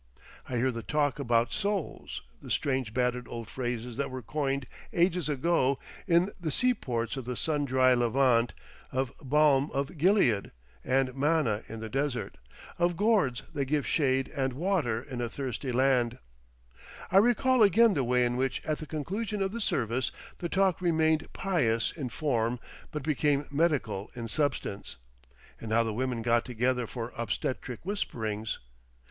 I hear the talk about souls, the strange battered old phrases that were coined ages ago in the seaports of the sun dry Levant, of balm of Gilead and manna in the desert, of gourds that give shade and water in a thirsty land; I recall again the way in which at the conclusion of the service the talk remained pious in form but became medical in substance, and how the women got together for obstetric whisperings.